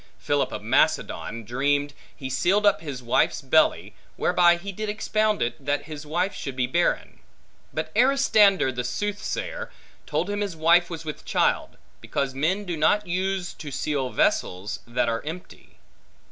Philip of Macedon dreamed, he sealed up his wife's belly; whereby he did expound it, that his wife should be barren; but Aristander the soothsayer, told him his wife was with child, because men do not use to seal vessels, that are empty.